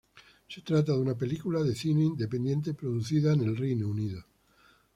Se trata de una película de cine independiente producida en el Reino Unido.